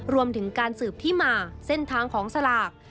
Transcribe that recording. รวมถึงการสืบที่มาเส้นทางของสลาก